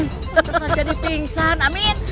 tidak akan jadi bingsan amin